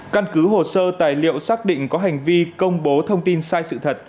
căn cứ hồ sơ tài liệu xác định có hành vi công bố thông tin sai sự thật